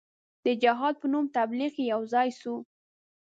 د جهاد په نوم تبلیغ کې یو ځای سو.